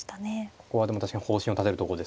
ここはでも確かに方針を立てるとこですね。